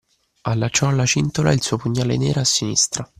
Allacciò alla cintola il suo pugnale nero a sinistra